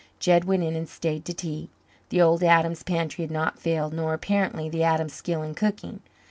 Jed went in and stayed to tea. The old Adams pantry had not failed, nor apparently the Adams skill in cooking.